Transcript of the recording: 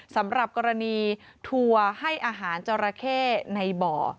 สำหรับกรณีทัวร์ให้อาหารจราเข้ในบ่อ